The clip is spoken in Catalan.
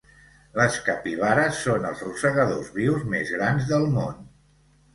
Les capibares són els rosegadors vius més grans del món.